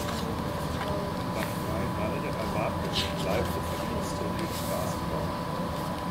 In Bad Freienwalde erwarb er sich bleibende Verdienste um den Straßenbau.